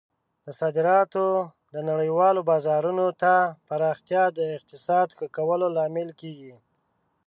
د صادراتو د نړیوالو بازارونو ته پراختیا د اقتصاد ښه کولو لامل کیږي.